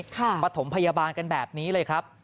มาถ่มพยาบาลแบบนี้เลยครับ